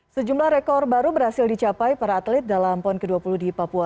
sejumlah rekor baru berhasil dicapai para atlet dalam pon ke dua puluh di papua